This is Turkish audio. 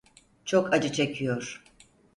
Çok acı çekiyor.